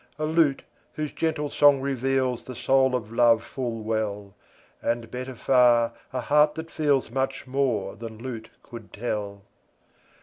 A lute whose gentle song reveals The soul of love full well; And, better far, a heart that feels Much more than lute could tell.